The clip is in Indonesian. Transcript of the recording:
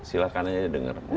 silahkan aja denger